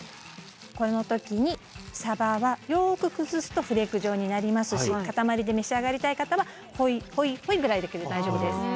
この時にさばはよく崩すとフレーク状になりますし塊で召し上がりたい方はほいほいほいぐらいだけで大丈夫です。